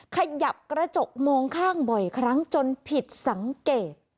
ขยับกระจกมองข้างบ่อยครั้งจนผิดสังเกต